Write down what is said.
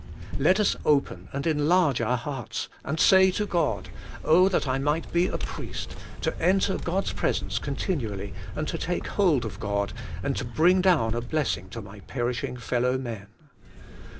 Let us open and enlarge our hearts and say to God, '^Oh that I might be a priest, to enter God's presence continually and to take hold of God and to bring down a blessing to my perishing fellow men